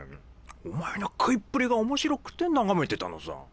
お前の食いっぷりが面白くて眺めてたのさ。